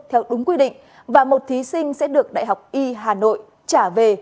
theo đúng quy định và một thí sinh sẽ được đại học y hà nội trả về